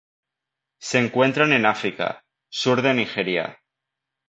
Se encuentran en África:sur de Nigeria.